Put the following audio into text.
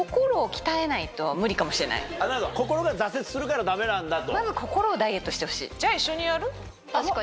なるほど心が挫折するからダメなんだと。